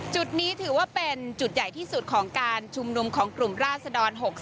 จุดนี้ถือว่าเป็นจุดใหญ่ที่สุดของการชุมนุมของกลุ่มราศดร๖๓